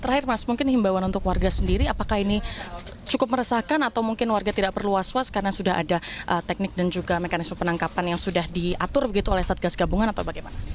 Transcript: terakhir mas mungkin himbawan untuk warga sendiri apakah ini cukup meresahkan atau mungkin warga tidak perlu was was karena sudah ada teknik dan juga mekanisme penangkapan yang sudah diatur begitu oleh satgas gabungan atau bagaimana